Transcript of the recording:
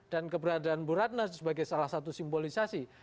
dan keberadaan bu ratna sebagai salah satu simbolisasi